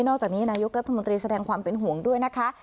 นายกรัฐมนตรีแสดงความเป็นห่วงด้วยนะคะ